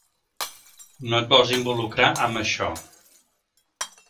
No et vols involucrar amb això.